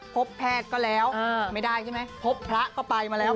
พบแพทย์ก็แล้วไม่ได้ใช่ไหมพบพระก็ไปมาแล้ว